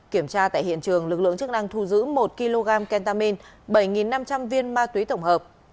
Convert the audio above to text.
kiểm tra tại hiện trường lực lượng chức năng thu giữ một kg kentamin bảy năm trăm linh viên ma túy tổng hợp